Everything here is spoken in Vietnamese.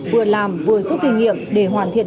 vừa làm vừa giúp kinh nghiệm để hoàn thiện